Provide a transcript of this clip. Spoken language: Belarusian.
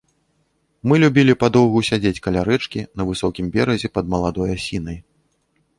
Мы любілі падоўгу сядзець каля рэчкі, на высокім беразе, пад маладой асінай.